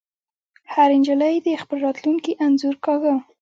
هرې نجلۍ د خپل راتلونکي انځور کاږه